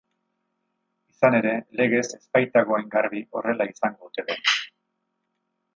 Izan ere, legez ez baitago hain garbi horrela izango ote den.